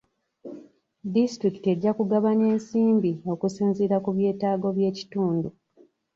Disitulikiti ejja kugabanya ensimbi okusinziira ku byetaago by'ekitundu.